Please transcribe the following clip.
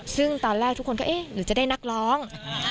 ซึ่งตอนแรกทุกคนก็เอ๊ะหนูจะได้นักร้อง